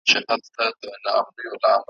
نوم یې ولي لا اشرف المخلوقات دی؟ `